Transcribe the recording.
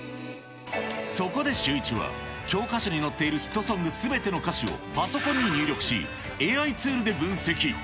そこでシューイチは、教科書に載っているヒットソングすべての歌詞を、パソコンに入力し、ＡＩツールで分析。